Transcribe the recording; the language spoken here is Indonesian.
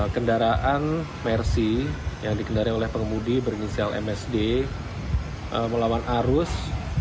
kendaraan mercy yang dikendari oleh pengemudi berinisial msd melawan arus